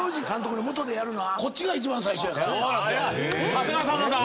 さすがさんまさん！